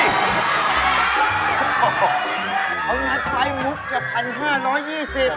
เอาหน้าไพมุดจาก๑๕๒๐ให้ซ่อน